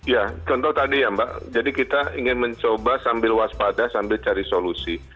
ya contoh tadi ya mbak jadi kita ingin mencoba sambil waspada sambil cari solusi